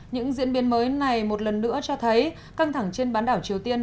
những diễn biến mới này một lần nữa cho thấy căng thẳng trên bán đảo triều tiên